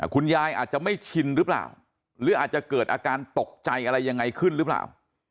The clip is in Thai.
คุณยายอาจจะไม่ชินหรือเปล่าหรืออาจจะเกิดอาการตกใจอะไรยังไงขึ้นหรือเปล่า